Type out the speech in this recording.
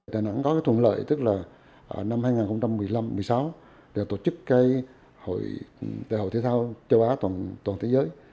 đà nẵng có thuận lợi tức là năm hai nghìn một mươi năm hai nghìn một mươi sáu tổ chức đại học thể thao châu á toàn thế giới